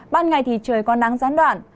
ban ngày trời có nắng gián đoạn